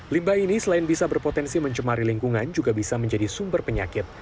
limbah ini selain bisa berpotensi mencemari lingkungan juga bisa menjadi sumber penyakit